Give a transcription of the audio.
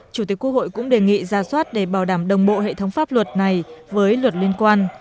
chủ tịch quốc hội cũng đề nghị ra soát để bảo đảm đồng bộ hệ thống pháp luật này với luật liên quan